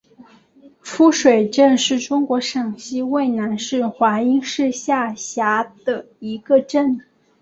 夫水镇是中国陕西省渭南市华阴市下辖的一个镇。